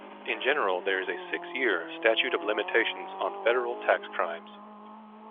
In general, there is a six-year statute of limitations on federal tax crimes.